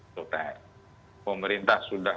isoter pemerintah sudah